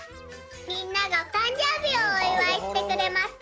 みんながおたんじょうびをおいわいしてくれました。